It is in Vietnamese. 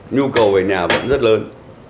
nhu cầu về nhà vẫn rất lớn